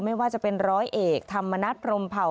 ไม่ว่าจะเป็นร้อยเอกธรรมนัฐพรมเผ่า